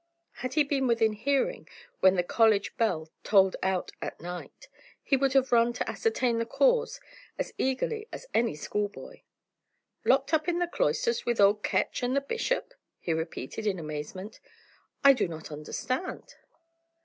Had he been within hearing when the college bell tolled out at night, he would have run to ascertain the cause as eagerly as any schoolboy. "Locked up in the cloisters with old Ketch and the bishop!" he repeated, in amazement. "I do not understand."